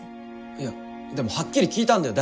いやでもはっきり聞いたんだよ